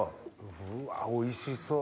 うわおいしそう。